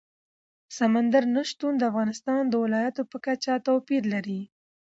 سمندر نه شتون د افغانستان د ولایاتو په کچه توپیر لري.